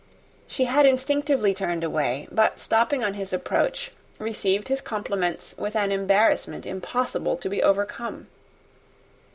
She had instinctively turned away; but stopping on his approach, received his compliments with an embarrassment impossible to be overcome.